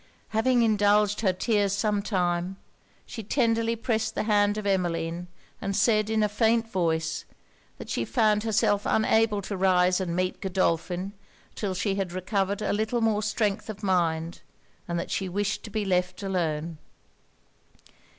Having indulged her tears some time, she tenderly pressed the hand of Emmeline, and said, in a faint voice, that she found herself unable to rise and meet Godolphin till she had recovered a little more strength of mind, and that she wished to be left alone.